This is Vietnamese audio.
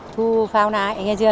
thu phao nái nghe chưa